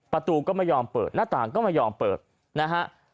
ประตูก็ไม่ยอมเปิดหน้าต่างก็ไม่ยอมเปิดนะฮะ